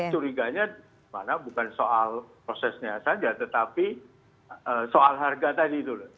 curiganya mana bukan soal prosesnya saja tetapi soal harga tadi itu loh